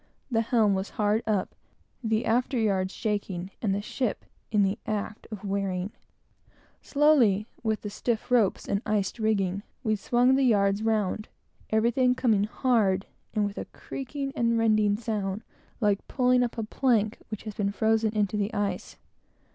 The helm was hard up, the after yards shaking, and the ship in the act of wearing. Slowly, with stiff ropes and iced rigging, we swung the yards round, everything coming hard, and with a creaking and rending sound, like pulling up a plank which had been frozen into the ice.